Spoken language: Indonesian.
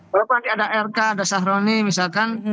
walaupun ada rk ada sahroni misalkan